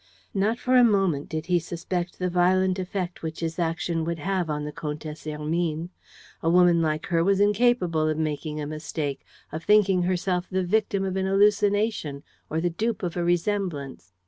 Not for a moment did he suspect the violent effect which his action would have on the Comtesse Hermine. A woman like her was incapable of making a mistake, of thinking herself the victim of an hallucination or the dupe of a resemblance.